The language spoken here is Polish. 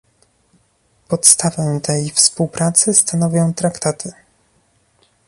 Podstawę tej współpracy stanowią traktaty